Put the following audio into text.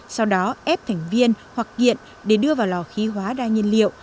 sau đó ép thành viên hoặc kiện để đưa vào lò khí hóa đa nhiên liệu